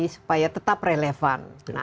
supaya tetap relevan